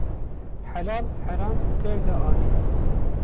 Helal heram tev de anî